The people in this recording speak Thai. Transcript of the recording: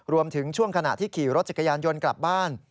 ช่วงขณะที่ขี่รถจักรยานยนต์กลับบ้าน